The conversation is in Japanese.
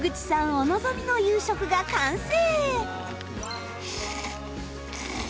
お望みの夕食が完成！